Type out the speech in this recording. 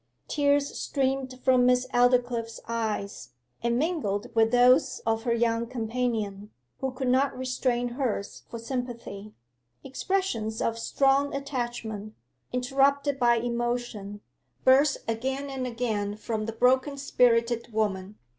Tears streamed from Miss Aldclyffe's eyes, and mingled with those of her young companion, who could not restrain hers for sympathy. Expressions of strong attachment, interrupted by emotion, burst again and again from the broken spirited woman.